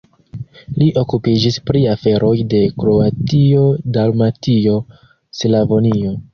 Li okupiĝis pri aferoj de Kroatio-Dalmatio-Slavonio.